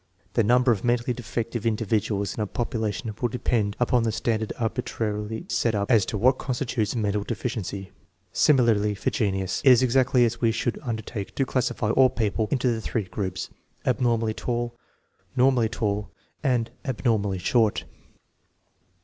The number of mentally defective individuals in a population will depend upon the standard arbitrarily set up as to what constitutes mental deficiency. Similarly for genius. It is exactly as we should undertake to classify all people into the three groups: abnormally tall, normally tall, and abnormally short.